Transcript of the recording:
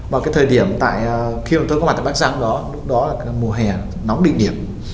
và cái thời điểm khi mà tôi có mặt tại bắc giang đó lúc đó là mùa hè nóng định điểm